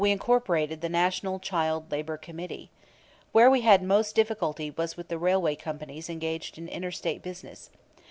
We incorporated the National Child Labor Committee. Where we had most difficulty was with the railway companies engaged in inter State business.